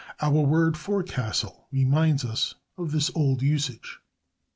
Our word "forecastle" reminds us of this old usage.